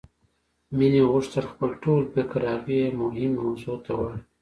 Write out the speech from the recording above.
مينې غوښتل خپل ټول فکر هغې مهمې موضوع ته واړوي.